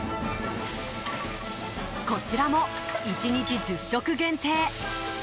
こちらも１日１０食限定